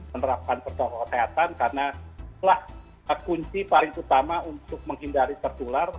menerapkan protokol kesehatan karenalah kunci paling utama untuk menghindari tertular